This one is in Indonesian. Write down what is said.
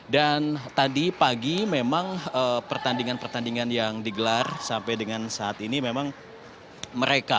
dan tadi pagi memang pertandingan pertandingan yang digelar sampai dengan saat ini memang mereka